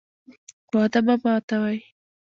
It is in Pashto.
وعده مه ماتوئ